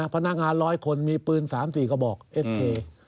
พนักงานร้อยคนมีปืนสามสี่กระบอกเอสเค